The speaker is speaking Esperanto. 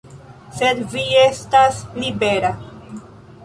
Sed vi estas libera.